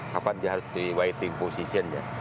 kapan dia harus di waiting position nya